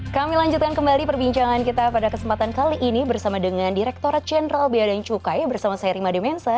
kami lanjutkan kembali perbincangan kita pada kesempatan kali ini bersama dengan direkturat jenderal bea dan cukai bersama saya rima demensa